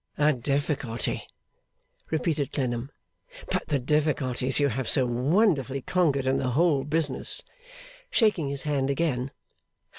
'A difficulty!' repeated Clennam. 'But the difficulties you have so wonderfully conquered in the whole business!' shaking his hand again.